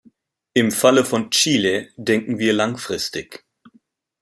Im Falle von Chile denken wir langfristig.